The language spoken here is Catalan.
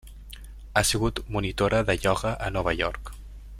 Ha sigut monitora de ioga a Nova York.